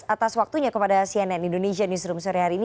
atas waktunya kepada cnn indonesia newsroom sore hari ini